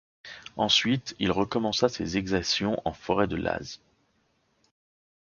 Ensuite, il recommença ses exactions en forêt de Laz.